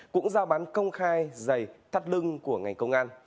cũng giao bán công khai dày thắt lưng của ngành công an